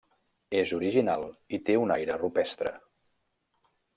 És original i té un aire rupestre.